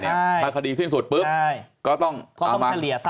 ถ้าคดีสิ้นสุดปุ๊บก็ต้องเอามาอ่านเฉลี่ย